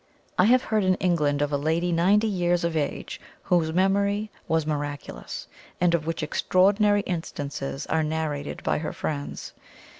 I have heard in England of a lady ninety years of age whose memory was miraculous, and of which extraordinary instances are narrated by her friends.